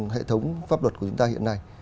hệ thống pháp luật của chúng ta hiện nay